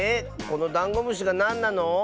このダンゴムシがなんなの？